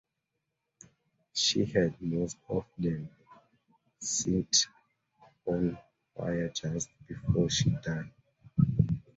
She had most of them set on fire just before she died.